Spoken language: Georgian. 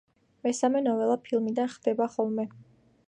მესამე ნოველა ფილმიდან „ხდება ხოლმე“.